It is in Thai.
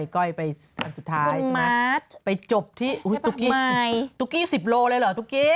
ก้อยไปอันสุดท้ายใช่ไหมไปจบที่ทุกที่๑๐โลกรัมเลยเหรอทุกที่